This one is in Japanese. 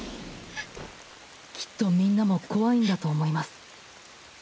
きっとみんなも恐いんだと思います。